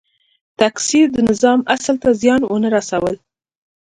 تکثیر د نظام اصل ته زیان ونه رسول.